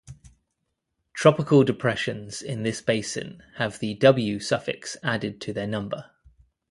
Tropical depressions in this basin have the "W" suffix added to their number.